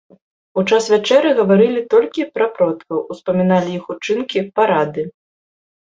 У час вячэры гаварылі толькі пра продкаў, успаміналі іх учынкі, парады.